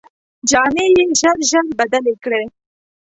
جامې یې ژر ژر بدلې کړې.